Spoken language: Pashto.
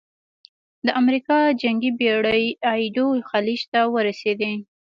د امریکا جنګي بېړۍ ایدو خلیج ته ورسېدې.